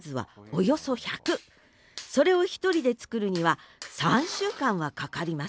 それを１人で作るには３週間はかかります